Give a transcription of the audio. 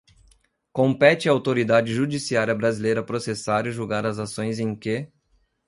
Compete à autoridade judiciária brasileira processar e julgar as ações em que: